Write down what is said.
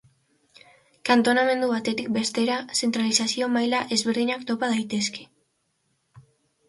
Kantonamendu batetik bestera zentralizazio maila ezberdinak topa daitezke.